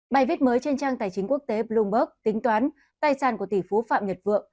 bài viết mới trên trang tài chính quốc tế bloomberg tính toán tài sản của tỷ phú phạm nhật vượng